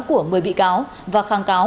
của một mươi bị cáo và kháng cáo